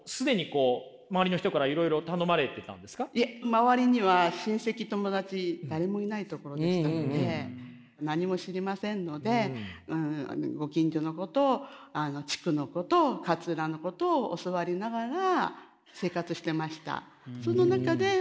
周りには親戚友達誰もいないところでしたので何も知りませんのでご近所のことを地区のことを勝浦のことを教わりながら生活してました。